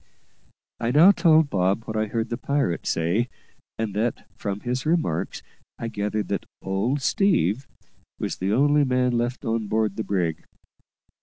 I now told Bob what I had heard the pirate say, and that, from his remarks, I gathered that "old Steve" was the only man left on board the brig.